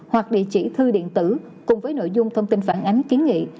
hoặc địa chỉ thư điện tử cùng với nội dung thông tin phản ánh kiến nghị